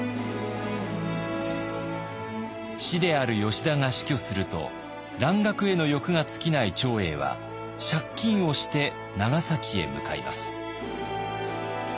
師である吉田が死去すると蘭学への欲が尽きない長英は借金をして長崎へ向かいます。